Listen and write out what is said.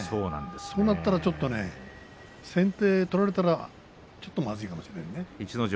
そうなったらちょっとね先手を取られたらちょっとまずいかもしれないね。